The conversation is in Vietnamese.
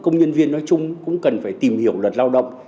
công nhân viên nói chung cũng cần phải tìm hiểu luật lao động